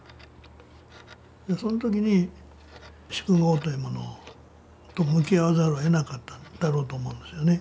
そのときに宿業というものと向き合わざるをえなかったんだろうと思うんですよね。